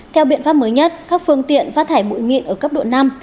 theo biện pháp mới nhất các phương tiện phát thải bụi mịn ở cấp độ năm